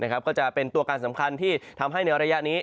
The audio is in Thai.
ก็จะเป็นตัวการสำคัญที่ทำให้ในระยะนี้